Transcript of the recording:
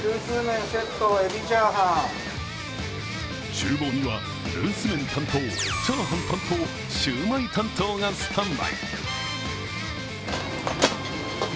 ちゅう房にはルース麺担当チャーハン担当シュウマイ担当がスタンバイ。